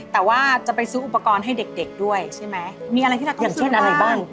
แต่ว่าจะไปซื้ออุปกรณ์ให้เด็กด้วยใช่ไหมมีอะไรที่น่าคงซื้อบ้างอย่างเช่นอะไรบ้าง